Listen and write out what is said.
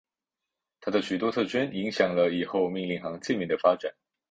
它的许多特征影响了以后命令行界面的发展。